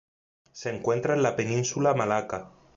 Se encuentra en la península de Malaca.